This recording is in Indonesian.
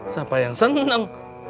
siapa yang seneng